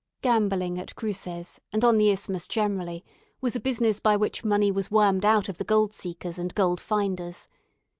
Gambling at Cruces, and on the Isthmus generally, was a business by which money was wormed out of the gold seekers and gold finders.